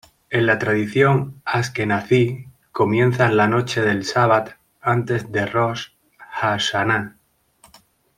En la tradición asquenazí, comienzan la noche del Sabbat antes de Rosh Hashaná.